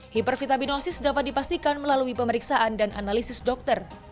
hipervitaminosis dapat dipastikan melalui pemeriksaan dan analisis dokter